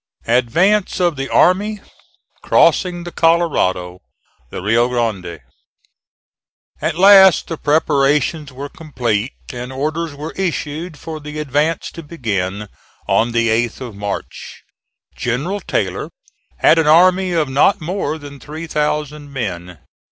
ADVANCE OF THE ARMY CROSSING THE COLORADO THE RIO GRANDE. At last the preparations were complete and orders were issued for the advance to begin on the 8th of March. General Taylor had an army of not more than three thousand men.